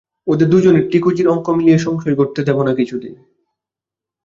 ওদের দুজনের ঠিকুজির অঙ্ক মিলিয়ে সংশয় ঘটতে দেব না কিছুতেই।